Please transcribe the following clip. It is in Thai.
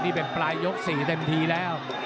นี่เป็นปลายยก๔เต็มทีแล้ว